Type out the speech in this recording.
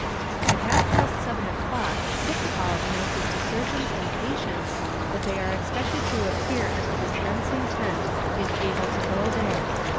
At half past seven o'clock sick call announces to surgeons and patients that they are expected to appear at the dispensing tent if able to go there.